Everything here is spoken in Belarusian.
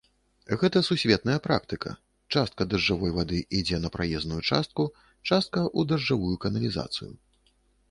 Гэта сусветная практыка, частка дажджавой вады ідзе на праезную частку, частка ў дажджавую каналізацыю.